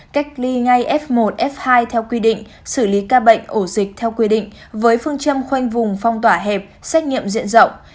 cách ly ngay f một f hai theo quy định xử lý ca bệnh ổ dịch theo quy định với phương châm khoanh vùng phong tỏa hẹp xét nghiệm diện rộng